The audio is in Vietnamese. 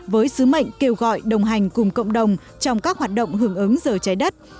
với sứ mệnh kêu gọi đồng hành cùng cộng đồng trong các hoạt động hưởng ứng giờ trái đất